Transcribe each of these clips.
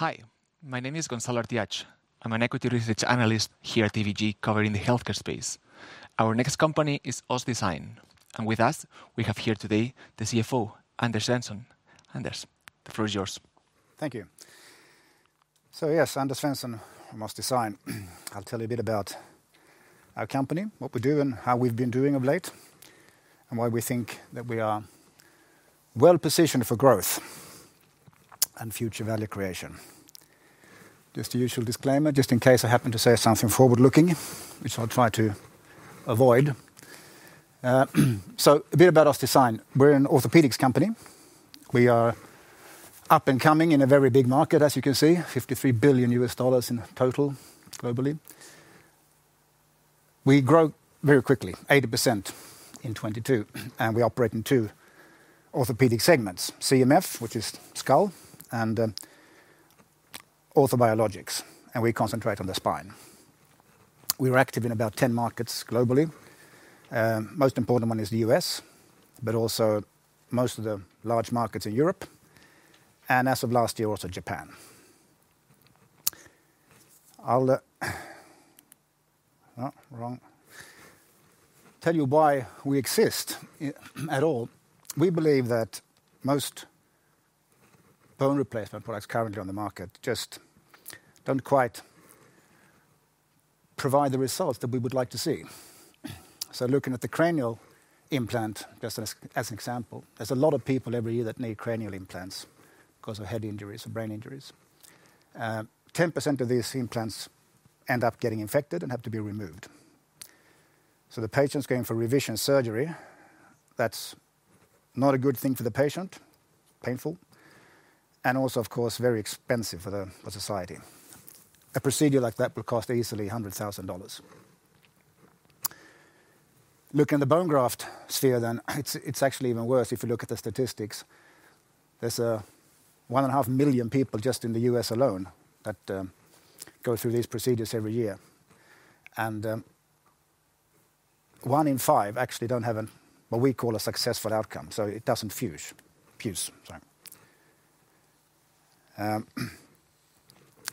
Hi. My name is Gonzalo Artiach. I'm an equity research analyst here at ABGSC, covering the healthcare space. Our next company is OssDsign, and with us, we have here today the CFO, Anders Svensson. Anders, the floor is yours. Thank you. Yes, Anders Svensson from OssDsign. I'll tell you a bit about our company, what we do, and how we've been doing of late, and why we think that we are well-positioned for growth and future value creation. Just the usual disclaimer, just in case I happen to say something forward-looking, which I'll try to avoid. A bit about OssDsign. We're an orthopedics company. We are up and coming in a very big market, as you can see, $53 billion in total globally. We grow very quickly, 80% in 2022, and we operate in two orthopedic segments, CMF, which is skull, and orthobiologics, and we concentrate on the spine. We're active in about 10 markets globally. Most important one is the U.S., but also most of the large markets in Europe, and as of last year, also Japan. I'll tell you why we exist at all. We believe that most bone replacement products currently on the market just don't quite provide the results that we would like to see. Looking at the cranial implant, just as an example, there's a lot of people every year that need cranial implants because of head injuries or brain injuries. 10% of these implants end up getting infected and have to be removed. The patient's going for revision surgery. That's not a good thing for the patient, painful, and also, of course, very expensive for the, for society. A procedure like that will cost easily $100,000. Looking in the bone graft sphere then, it's actually even worse if you look at the statistics. There's 1.5 million people just in the U.S. alone that go through these procedures every year. One in five actually don't have what we call a successful outcome, so it doesn't fuse, sorry.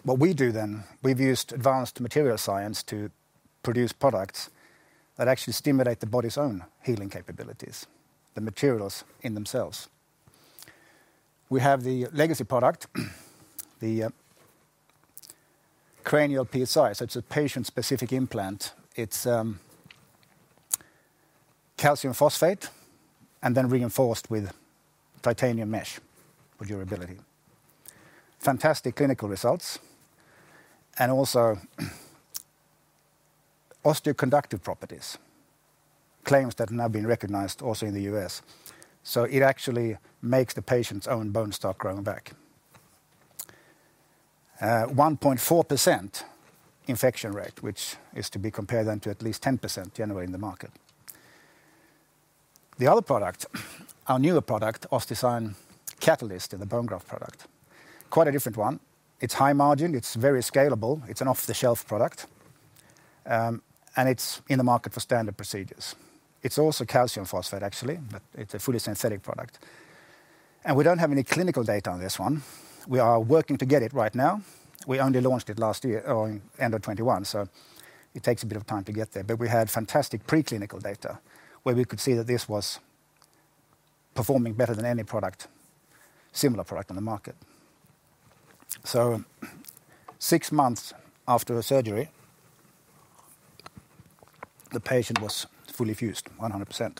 What we do then, we've used advanced material science to produce products that actually stimulate the body's own healing capabilities, the materials in themselves. We have the legacy product, the Cranial PSI, so it's a patient-specific implant. It's calcium phosphate and then reinforced with titanium mesh for durability. Fantastic clinical results, also osteoconductive properties, claims that have now been recognized also in the U.S. It actually makes the patient's own bone start growing back. 1.4% infection rate, which is to be compared then to at least 10% generally in the market. The other product, our newer product, OssDsign Catalyst, and the bone graft product, quite a different one. It's high margin. It's very scalable. It's an off-the-shelf product, and it's in the market for standard procedures. It's also calcium phosphate, actually. It's a fully synthetic product. We don't have any clinical data on this one. We are working to get it right now. We only launched it last year or end of 21, so it takes a bit of time to get there. We had fantastic pre-clinical data where we could see that this was performing better than any product, similar product on the market. six months after surgery, the patient was fully fused, 100%.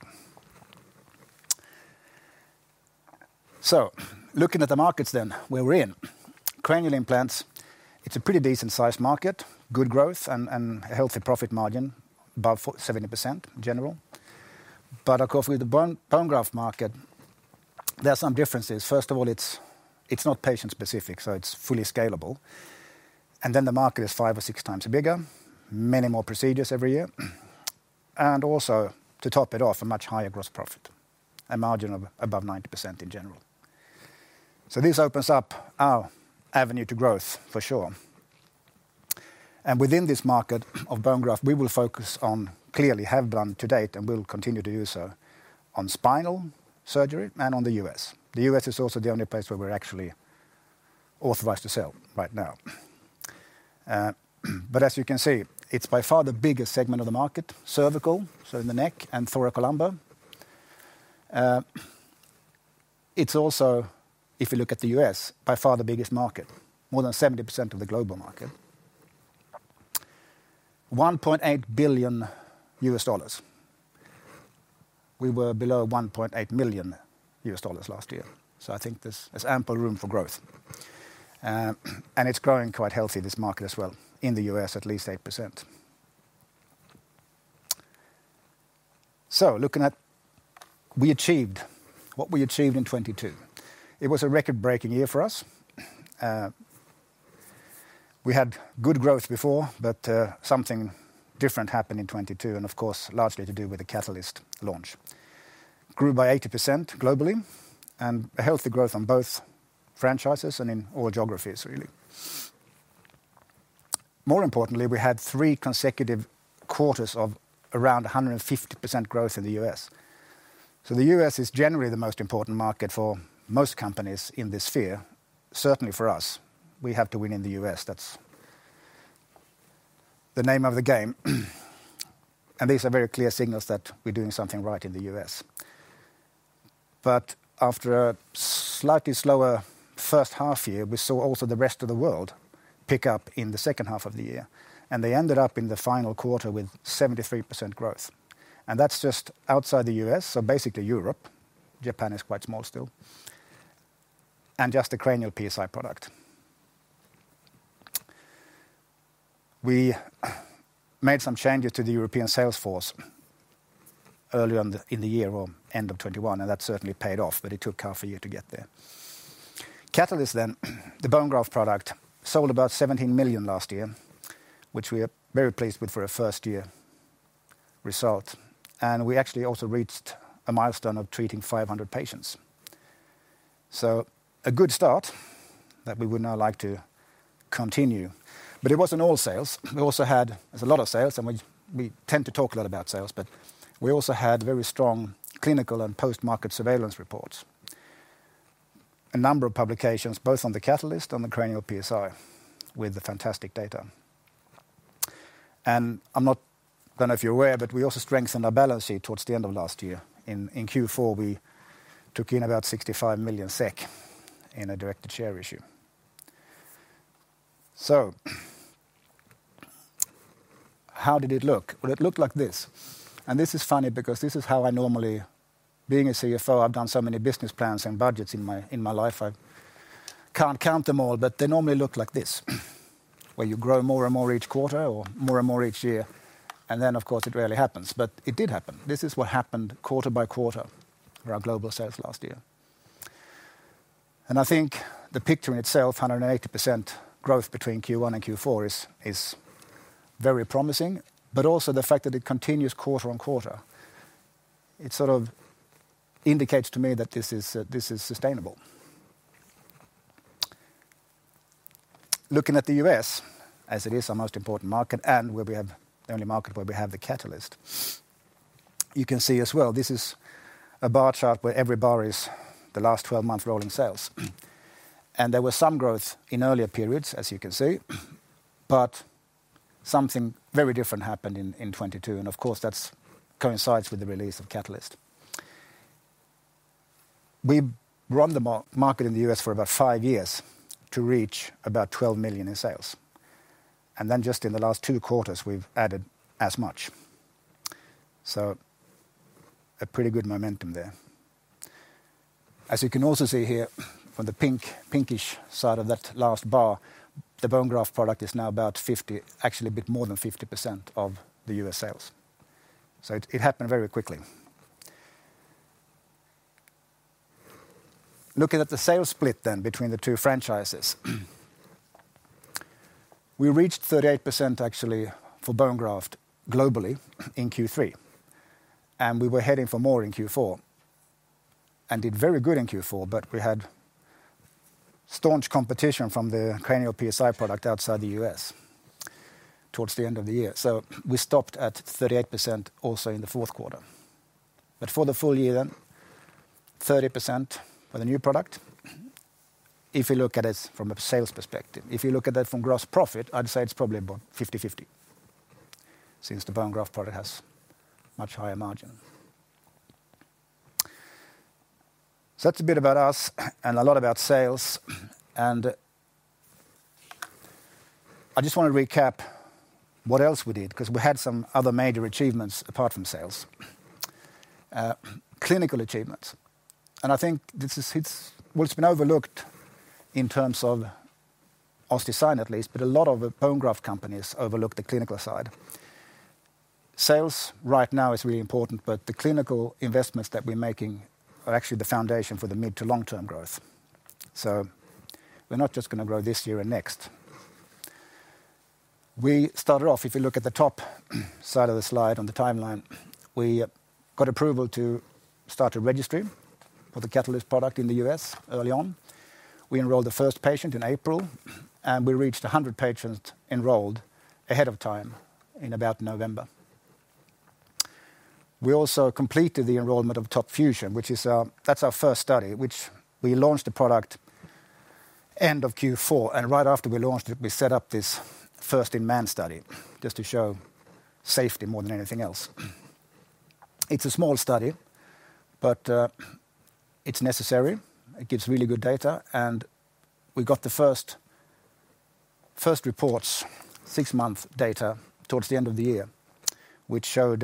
Looking at the markets then, where we're in. Cranial implants, it's a pretty decent sized market, good growth and a healthy profit margin, above 70% in general. Of course, with the bone graft market, there are some differences. First of all, it's not patient-specific, it's fully scalable. The market is five or six times bigger, many more procedures every year. Also, to top it off, a much higher gross profit margin of above 90% in general. This opens up our avenue to growth for sure. Within this market of bone graft, we will focus on, clearly have done to date and will continue to do so on spinal surgery and on the U.S..The U.S. is also the only place where we're actually authorized to sell right now. As you can see, it's by far the biggest segment of the market, cervical, so in the neck, and thoracolumbar. It's also, if you look at the U.S., by far the biggest market, more than 70% of the global market. $1.8 billion. We were below $1.8 million last year. I think this, there's ample room for growth. It's growing quite healthy, this market as well, in the U.S., at least 8%. Looking at what we achieved in 2022. It was a record-breaking year for us. We had good growth before, but something different happened in 2022 and of course, largely to do with the Catalyst launch. Grew by 80% globally and a healthy growth on both franchises and in all geographies really. More importantly, we had three consecutive quarters of around 150% growth in the U.S.. The U.S. is generally the most important market for most companies in this sphere, certainly for us. We have to win in the U.S. That's the name of the game, and these are very clear signals that we're doing something right in the U.S.. After a slightly slower first half year, we saw also the rest of the world pick up in the second half of the year, and they ended up in the final quarter with 73% growth. That's just outside the U.S., so basically Europe, Japan is quite small still, and just the Cranial PSI product. We made some changes to the European sales force early on in the year or end of 2021, and that certainly paid off, but it took half a year to get there. Catalyst then, the bone graft product, sold about 17 million last year, which we are very pleased with for a first-year result. We actually also reached a milestone of treating 500 patients. A good start that we would now like to continue. It wasn't all sales. We also had. It's a lot of sales, and we tend to talk a lot about sales, but we also had very strong clinical and post-market surveillance reports. A number of publications, both on the Catalyst and the Cranial PSI, with the fantastic data. I don't know if you're aware, we also strengthened our balance sheet towards the end of last year. In Q4, we took in about 65 million SEK in a directed share issue. How did it look? Well, it looked like this. This is funny because being a CFO, I've done so many business plans and budgets in my life. I can't count them all, they normally look like this, where you grow more and more each quarter or more and more each year, of course, it rarely happens. It did happen. This is what happened quarter by quarter for our global sales last year. I think the picture in itself, 180% growth between Q1 and Q4 is very promising, but also the fact that it continues quarter on quarter, it sort of indicates to me that this is sustainable. Looking at the U.S., as it is our most important market and where we have the only market where we have the Catalyst, you can see as well this is a bar chart where every bar is the last 12 months rolling sales. There was some growth in earlier periods, as you can see, but something very different happened in 2022, and of course, that coincides with the release of Catalyst. We run the market in the U.S. for about five years to reach about 12 million in sales, and then just in the last two quarters, we've added as much. A pretty good momentum there. As you can also see here from the pinkish side of that last bar, the bone graft product is now about 50%, actually a bit more than 50% of the U.S. sales. It happened very quickly. Looking at the sales split between the two franchises. We reached 38% actually for bone graft globally in Q3, and we were heading for more in Q4 and did very good in Q4, but we had staunch competition from the Cranial PSI product outside the U.S. towards the end of the year. We stopped at 38% also in the fourth quarter. For the full year, 30% for the new product if you look at it from a sales perspective. If you look at that from gross profit, I'd say it's probably about 50/50, since the bone graft product has much higher margin. That's a bit about us and a lot about sales, and I just want to recap what else we did, because we had some other major achievements apart from sales. Clinical achievements, and I think this is, well, it's been overlooked in ter.ms of OssDsign at least, but a lot of the bone graft companies overlook the clinical side. Sales right now is really important, but the clinical investments that we're making are actually the foundation for the mid to long-term growth. We're not just gonna grow this year and next. We started off, if you look at the top side of the slide on the timeline, we got approval to start a registry for the OssDsign Catalyst product in the U.S. early on. We enrolled the first patient in April, and we reached 100 patients enrolled ahead of time in about November. We also completed the enrollment of TOP FUSION, which is our... That's our first study, which we launched the product end of Q4, and right after we launched it, we set up this first-in-man study just to show safety more than anything else. It's a small study, but it's necessary. It gives really good data, and we got the first reports, six-month data towards the end of the year, which showed,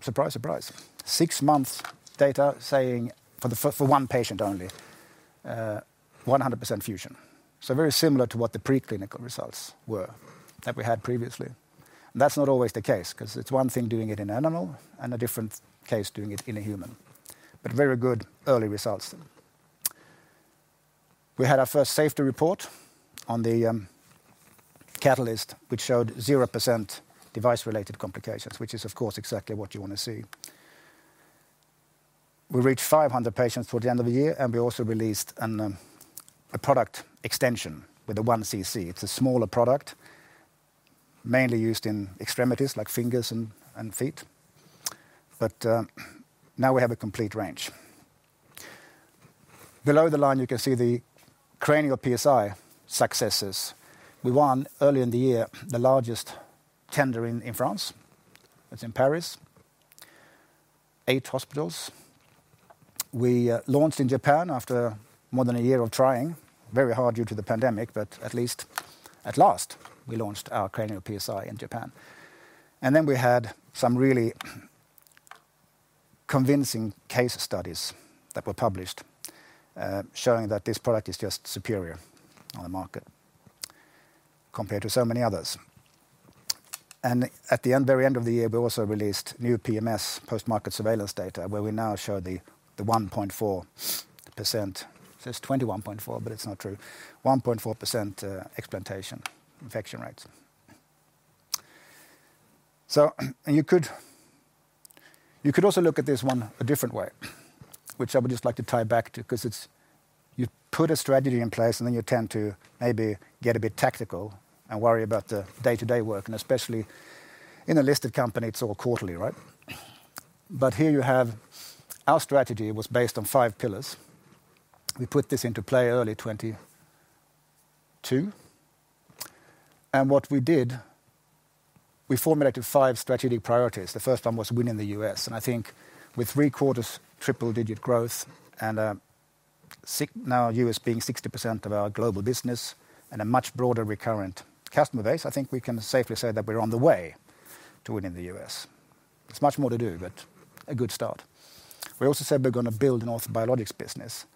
surprise, six months data saying for one patient only, 100% fusion. Very similar to what the preclinical results were that we had previously. That's not always the case, because it's one thing doing it in animal and a different case doing it in a human. Very good early results. We had our first safety report on the Catalyst, which showed 0% device-related complications, which is, of course, exactly what you wanna see. We reached 500 patients toward the end of the year. We also released a product extension with a 1cc. It's a smaller product, mainly used in extremities like fingers and feet. Now we have a complete range. Below the line, you can see the Cranial PSI successes. We won early in the year, the largest tender in France. It's in Paris, eight hospitals. We launched in Japan after more than a year of trying very hard due to the pandemic. At least at last, we launched our Cranial PSI in Japan. We had some really convincing case studies that were published, showing that this product is just superior on the market compared to so many others. At the end, very end of the year, we also released new PMS post-market surveillance data, where we now show the 1.4%. It says 21.4, it's not true. 1.4% explantation infection rates. You could also look at this one a different way, which I would just like to tie back to 'cause it's... You put a strategy in place, and then you tend to maybe get a bit tactical and worry about the day-to-day work, and especially in a listed company, it's all quarterly, right? Here you have our strategy was based on five pillars. We put this into play early 2022. What we did, we formulated five strategic priorities. The first one was win in the U.S., and I think with three quarters triple-digit growth and now U.S. being 60% of our global business and a much broader recurrent customer base, I think we can safely say that we're on the way to winning the U.S.. It's much more to do, a good start. We also said we're gonna build an Orthobiologics business.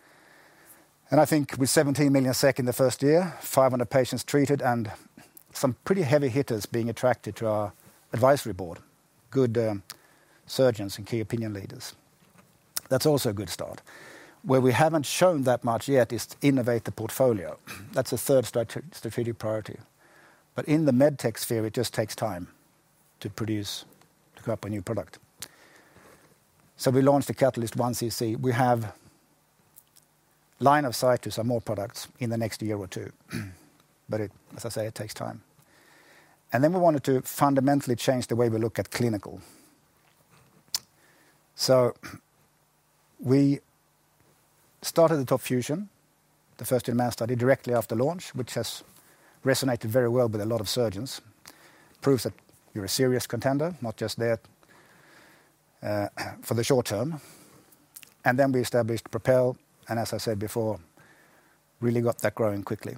I think with 17 million SEK in the first year, 500 patients treated and some pretty heavy hitters being attracted to our advisory board, good surgeons and key opinion leaders. That's also a good start. Where we haven't shown that much yet is to innovate the portfolio. That's the third strategic priority. In the med tech sphere, it just takes time to produce, to come up a new product. We launched the Catalyst 1cc. We have line of sight to some more products in the next year or two, as I say, it takes time. We wanted to fundamentally change the way we look at clinical. We started the TOP FUSION, the first-in-man study directly after launch, which has resonated very well with a lot of surgeons. Proves that you're a serious contender, not just there for the short term. We established PROPEL, and as I said before, really got that growing quickly.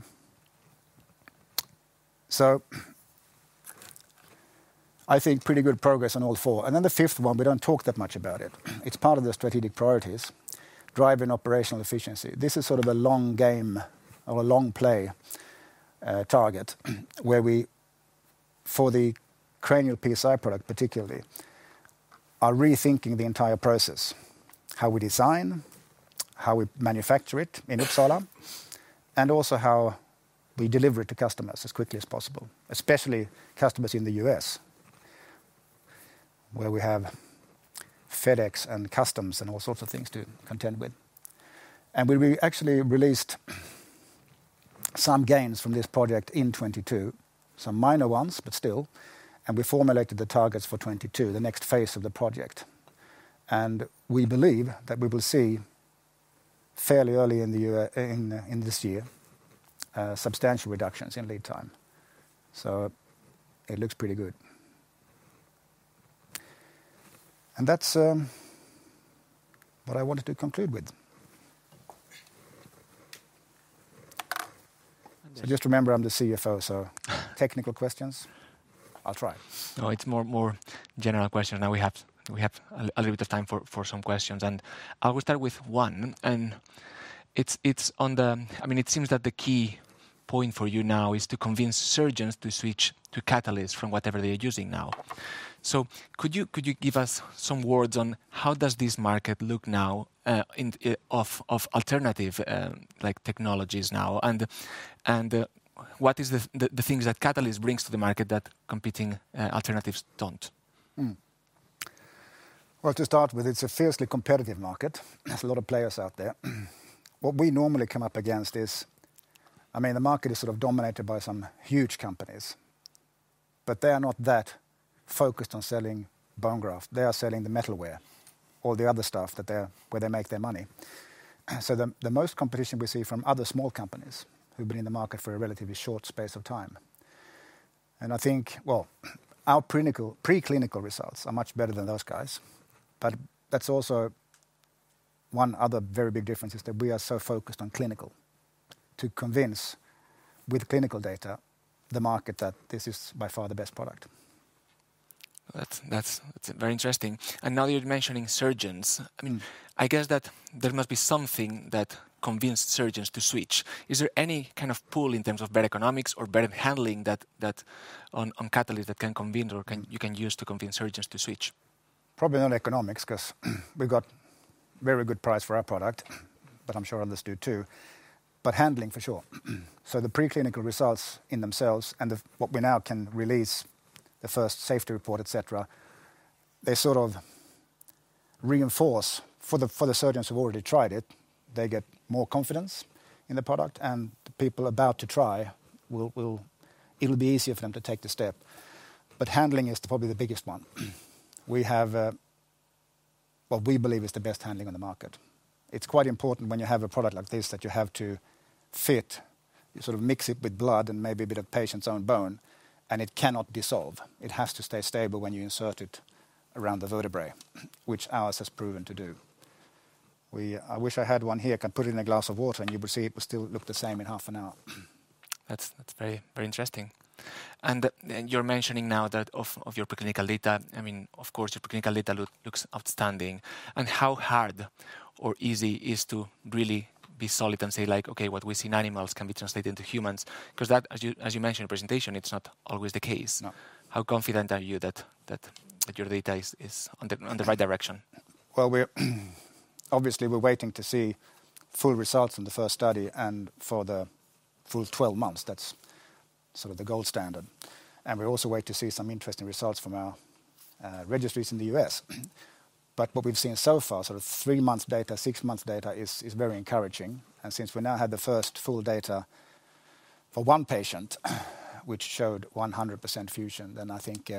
I think pretty good progress on all four. The fifth one, we don't talk that much about it. It's part of the strategic priorities, driving operational efficiency. This is sort of a long game or a long play, target where we, for the Cranial PSI particularly, are rethinking the entire process, how we design, how we manufacture it in Uppsala, and also how we deliver it to customers as quickly as possible, especially customers in the U.S., where we have FedEx and customs and all sorts of things to contend with. We actually released some gains from this project in 2022, some minor ones, but still, we formulated the targets for 2022, the next phase of the project. We believe that we will see fairly early in the year, in this year, substantial reductions in lead time. It looks pretty good. That's what I wanted to conclude with. Just remember, I'm the CFO, so technical questions, I'll try. No, it's more general question. Now we have a little bit of time for some questions. I will start with one. It's on the. I mean, it seems that the key point for you now is to convince surgeons to switch to Catalyst from whatever they're using now. Could you give us some words on how does this market look now in of alternative, like, technologies now? What is the things that Catalyst brings to the market that competing alternatives don't? Well, to start with, it's a fiercely competitive market. There's a lot of players out there. What we normally come up against is, I mean, the market is sort of dominated by some huge companies, but they are not that focused on selling bone graft. They are selling the metalware or the other stuff where they make their money. The most competition we see from other small companies who've been in the market for a relatively short space of time. I think, well, our preclinical results are much better than those guys. That's also one other very big difference is that we are so focused on clinical to convince with clinical data, the market that this is by far the best product. That's very interesting. Now you're mentioning surgeons. Mm-hmm. I mean, I guess that there must be something that convinced surgeons to switch. Is there any kind of pull in terms of better economics or better handling that on Catalyst that can convince or you can use to convince surgeons to switch? Probably not economics 'cause we've got very good price for our product, but I'm sure others do, too. Handling for sure. The preclinical results in themselves and the, what we now can release the first safety report, et cetera, they sort of reinforce for the, for the surgeons who've already tried it, they get more confidence in the product, and the people about to try will. It'll be easier for them to take the step. Handling is probably the biggest one. We have what we believe is the best handling on the market. It's quite important when you have a product like this that you have to fit. You sort of mix it with blood and maybe a bit of patient's own bone, and it cannot dissolve. It has to stay stable when you insert it around the vertebrae, which ours has proven to do. I wish I had one here, can put it in a glass of water and you would see it would still look the same in half an hour. That's very, very interesting. You're mentioning now that of your preclinical data. I mean, of course, your preclinical data looks outstanding. How hard or easy is to really be solid and say like, "Okay, what we see in animals can be translated into humans." 'Cause that, as you mentioned in presentation, it's not always the case. No. How confident are you that your data is on the right direction? Well, obviously we're waiting to see full results from the first study and for the full 12 months. That's sort of the gold standard. We also wait to see some interesting results from our registries in the U.S.. What we've seen so far, sort of three-month data, six-month data is very encouraging. Since we now have the first full data for one patient, which showed 100% fusion, then I think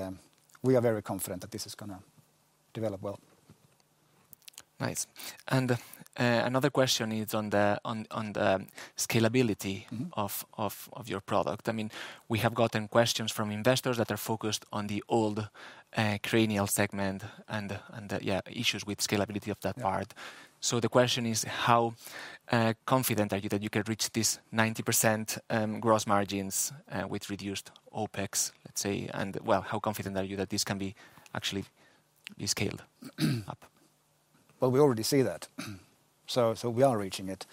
we are very confident that this is gonna develop well. Nice. Another question is on the scalability. Mm-hmm... of your product. I mean, we have gotten questions from investors that are focused on the old cranial segment and, yeah, issues with scalability of that part. Yeah. The question is how confident are you that you can reach this 90% gross margins with reduced OPEX, let's say? Well, how confident are you that this can be actually be scaled up? We already see that, so we are reaching it.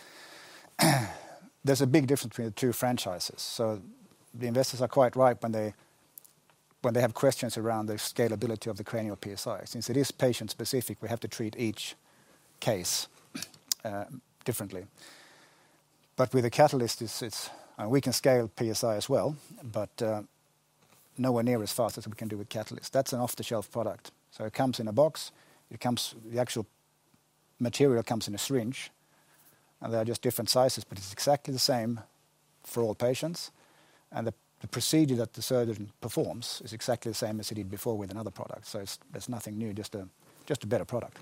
There's a big difference between the two franchises. The investors are quite right when they have questions around the scalability of the Cranial PSI. Since it is patient-specific, we have to treat each case differently. With the Catalyst, it's we can scale PSI as well, but nowhere near as fast as we can do with Catalyst. That's an off-the-shelf product. It comes in a box, The actual material comes in a syringe, and they are just different sizes, but it's exactly the same for all patients. The procedure that the surgeon performs is exactly the same as he did before with another product. It's there's nothing new, just a better product.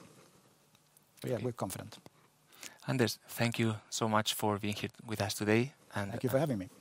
Yeah, we're confident. Anders, thank you so much for being here with us today. Thank you for having me.